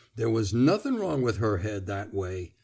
There was nothin' wrong with her head that way.